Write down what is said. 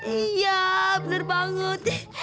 iya bener banget